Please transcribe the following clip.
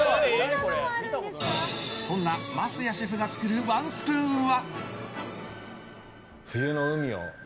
そんな桝谷シェフが作るワンスプーンは？